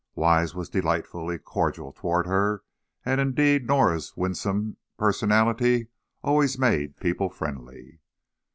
Wise was delightfully cordial toward her, and indeed Norah's winsome personality always made people friendly.